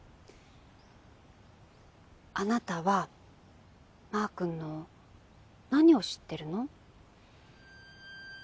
あなたはマー君の何を知ってるの？